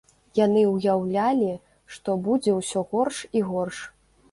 Яны ўяўлялі, што будзе ўсё горш і горш.